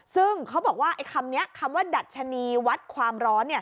ซึ่งเขาบอกว่าคำนี้คำว่าดัชนีวัดความร้อน